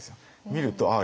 見るとああ